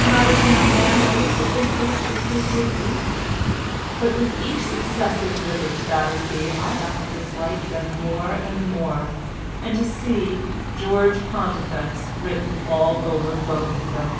When I was a young man I used to think these pictures were beautiful, but with each successive visit to Battersby I got to dislike them more and more and to see "George Pontifex" written all over both of them.